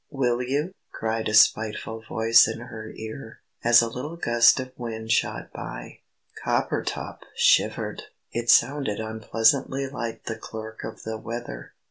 "Will you?" cried a spiteful voice in her ear, as a little gust of wind shot by. Coppertop shivered! It sounded unpleasantly like the Clerk of the Weather.